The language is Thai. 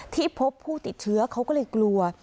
ที่พบผู้ติดเชื้อเขาก็เลยกลัว